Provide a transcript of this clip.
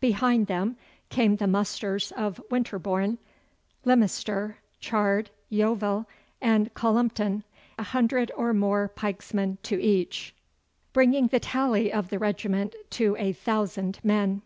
Behind them came the musters of Winterbourne, Ilminster, Chard, Yeovil, and Collumpton, a hundred or more pikesmen to each, bringing the tally of the regiment to a thousand men.